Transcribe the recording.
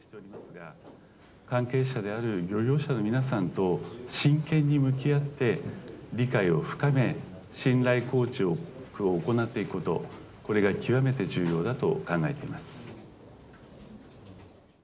関係者である漁業者の皆さんと真剣に向き合って理解を深め、信頼構築を行っていくこと、これが極めて重要だと考えています。